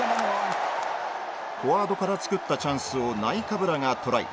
フォワードから作ったチャンスをナイカブラがトライ。